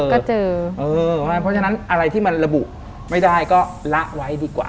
ก็เจอเออเพราะฉะนั้นอะไรที่มันระบุไม่ได้ก็ละไว้ดีกว่า